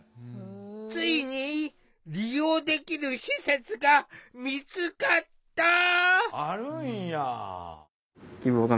ついに利用できる施設が見つかった！